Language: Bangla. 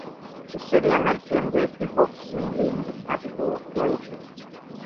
স্টেডিয়ামের কেন্দ্রে একটি বক্সিং রিং স্থাপিত রয়েছে।